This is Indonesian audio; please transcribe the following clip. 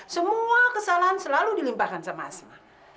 semua kesalahan selalu dilimpahkan sama asma